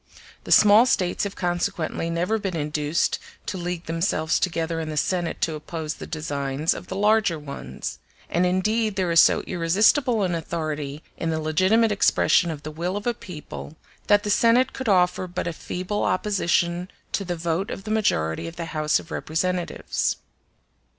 The small States have consequently never been induced to league themselves together in the Senate to oppose the designs of the larger ones; and indeed there is so irresistible an authority in the legitimate expression of the will of a people that the Senate could offer but a feeble opposition to the vote of the majority of the House of Representatives.